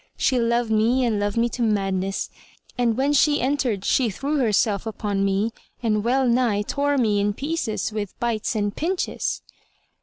She loved me and loved me to madness and when she entered she threw herself upon me and well nigh tore me in pieces with bites and pinches.